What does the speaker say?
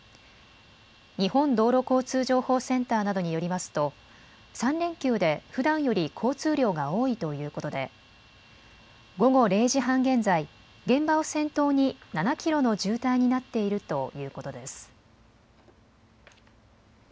日本道路交通情報センターなどによりますと、３連休でふだんより交通量が多いということで午後０時半現在、現場を先頭に７キロの渋滞になっているということです。